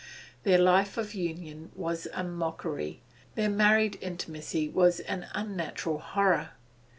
Their life of union was a mockery; their married intimacy was an unnatural horror.